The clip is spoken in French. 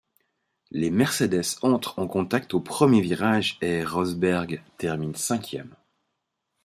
Les Mercedes entrent en contact au premier virage et Rosberg termine cinquième.